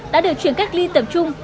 đã được chuyển cách ly tập trung